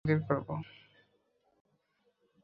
আর তোমাদের কাছে আমি আমার কিতাব নাযিল করব।